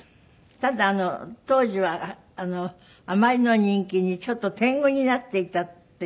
ただ当時はあまりの人気にちょっとてんぐになっていたという。